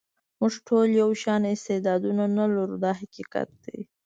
موږ ټول یو شان استعدادونه نه لرو دا حقیقت دی.